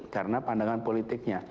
karena pandangan politiknya